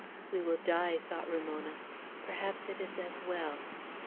"We will die," thought Ramona. "Perhaps it is as well!"